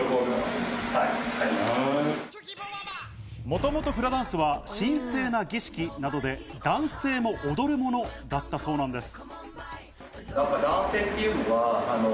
もともとフラダンスは神聖な儀式などで男性も踊るものだったそうなんです。